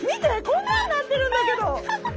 こんなんなってるんだけど！